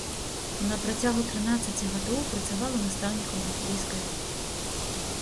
На працягу трынаццаці гадоў працавала настаўнікам англійскай мовы.